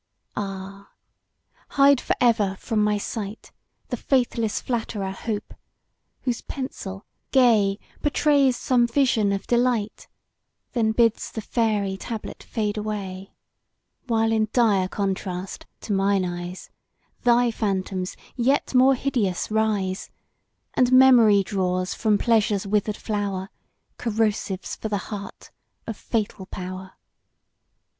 Ah! hide for ever from my sight The faithless flatterer Hope whose pencil, gay, Portrays some vision of delight, Then bids the fairy tablet fade away; Page 31 While in dire contrast, to mine eyes, Thy phantoms, yet more hideous, rise, And Memory draws from Pleasure's wither'd flower, Corrosives for the heart of fatal power!